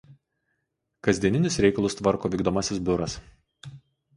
Kasdieninius reikalus tvarko Vykdomasis biuras.